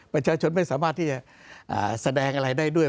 ประชาชนไม่สามารถที่จะแสดงอะไรได้ด้วย